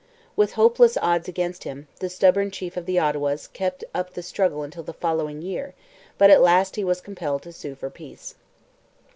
With hopeless odds against him, the stubborn chief of the Ottawas kept up the struggle until the following year, but at last he was compelled to sue for peace.